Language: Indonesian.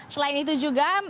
selain itu juga